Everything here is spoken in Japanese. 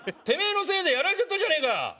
てめえのせいでやられちゃったじゃねえか。